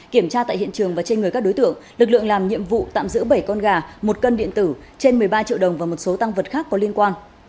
kiểm tra tại hiện trường và trên người các đối tượng lực lượng làm nhiệm vụ tạm giữ bảy con gà một cân điện tử trên một mươi ba triệu đồng và một số tăng vật khác có liên quan